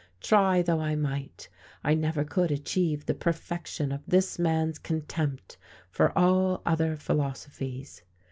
Try though I might, I never could achieve the perfection of this man's contempt for all other philosophies.